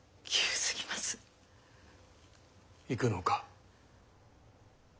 行くのか？